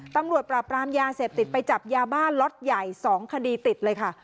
ตำรวจปราบรามยาเสพติดไปจับยาบ้าล็อตใหญ่๒คดีติดเลยค่ะ